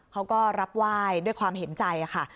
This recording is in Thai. เขาก็รับไหว้ด้วยความเห็นใจค่ะ